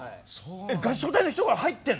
え合唱隊の人が入ってんの？